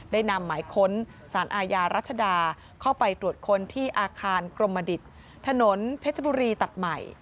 ได้นำหมายค้นสารอาญารัชดาเข้าไปตรวจค้นที่อาคารกรมดิตถนนเพชรบุรีตัดใหม่